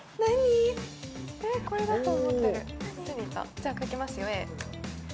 じゃあ、描きますよ、絵。